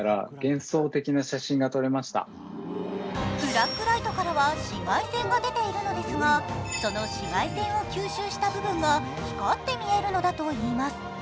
ブラックライトからは紫外線が出ているのですがその紫外線を吸収した部分が光って見えるのだといいます。